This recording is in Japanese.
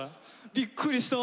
びっくりした。